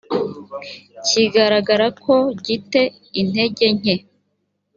kigaragara ko gi te intege nke